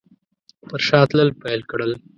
پر شا تلل پیل کړل.